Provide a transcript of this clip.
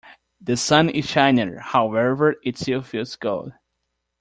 The sun is shining, however, it still feels cold.